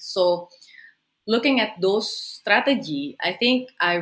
jadi melihat strategi itu